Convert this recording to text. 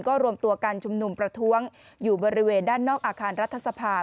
ก็รวมตัวการชุมนุมประท้วงอยู่บริเวณด้านนอกอาคารรัฐสภา